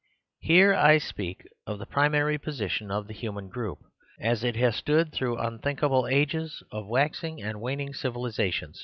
Here I speak of the primary position of the human group, as it has stood through unthinkable ages of waxing and waning civilisations; I>